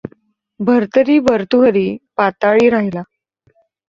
भर्तरी भर्तृहरि पाताळी राहिला.